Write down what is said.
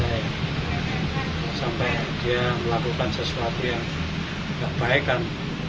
sampai dia melakukan sesuatu yang tidak baik kan